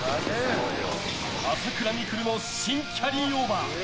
朝倉未来の新キャリーオーバー